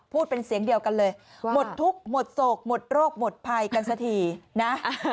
พูดเป็นเสียงเดียวกันเลยหมดทุกข์หมดโศกหมดโรคหมดภัยกันสักทีนะ